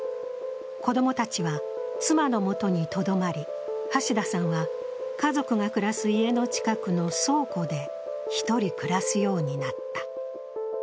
子供たちは妻の元にとどまり橋田さんは家族が暮らす家の近くの倉庫で一人暮らすようになった。